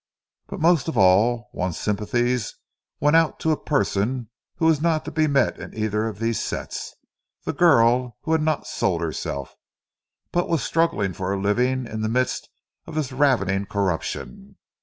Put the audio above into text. But most of all, one's sympathies went out to a person who was not to be met in either of these sets; to the girl who had not sold herself, but was struggling for a living in the midst of this ravening corruption.